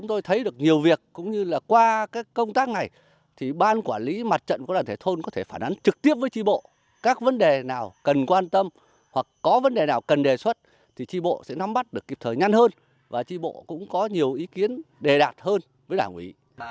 tôi thấy được nhiều việc cũng như là qua các công tác này thì ban quản lý mặt trận của đoàn thể thôn có thể phản ánh trực tiếp với tri bộ các vấn đề nào cần quan tâm hoặc có vấn đề nào cần đề xuất thì tri bộ sẽ nắm bắt được kịp thời ngăn hơn và tri bộ cũng có nhiều ý kiến đề đạt hơn với đảng ủy